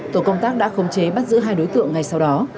tổ công tác đã khống chế bắt giữ hai đối tượng ngay sau đó